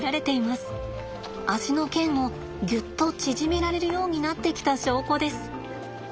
足の腱をぎゅっと縮められるようになってきた証拠です。